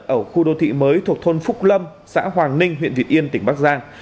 ở khu đô thị mới thuộc thôn phúc lâm xã hoàng ninh huyện việt yên tỉnh bắc giang